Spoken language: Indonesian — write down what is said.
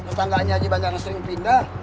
setangganya aja banyak yang sering pindah